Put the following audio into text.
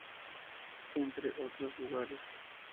Entre otros lugares.